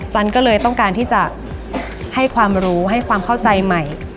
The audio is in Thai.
จันก็เลยต้องการที่จะให้ความรู้ให้ความเข้าใจใหม่